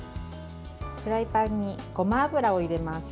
フライパンに、ごま油を入れます。